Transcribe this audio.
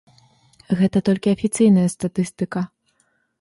Гэта толькі афіцыйная статыстыка.